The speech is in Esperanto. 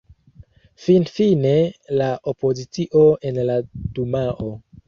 Finfine la opozicio en la dumao.